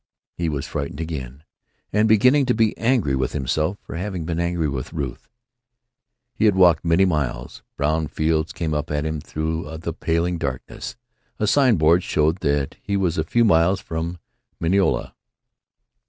He was frightened again, and beginning to be angry with himself for having been angry with Ruth. He had walked many miles. Brown fields came up at him through the paling darkness. A sign board showed that he was a few miles from Mineola.